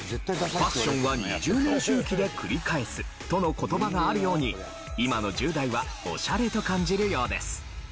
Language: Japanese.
「ファッションは２０年周期で繰り返す」との言葉があるように今の１０代はオシャレと感じるようです。